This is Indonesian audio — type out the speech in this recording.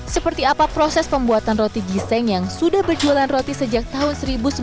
seperti apa proses pembuatan roti giseng yang sudah berjualan roti sejak tahun seribu sembilan ratus sembilan puluh